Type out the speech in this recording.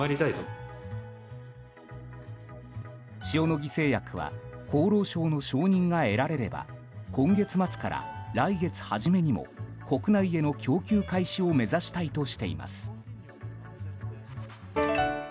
塩野義製薬は厚労省の承認が得られれば今月末から来月初めにも国内への供給開始を目指したいとしています。